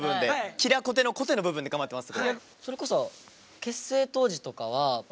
キラコテのコテの部分で頑張ってます。